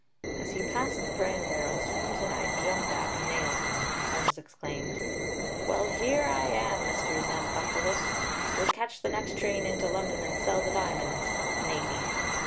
As he passed the bran barrels Holmes and I jumped out and nailed him, and Holmes exclaimed: "Well, here I am, Mr. Xanthopoulos. We'll catch the next train in to London and sell the diamonds, maybe!"